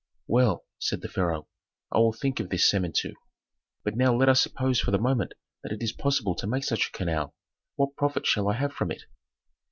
"Well," said the pharaoh, "I will think of this Samentu. But now let us suppose for the moment that it is possible to make such a canal; what profit shall I have from it?"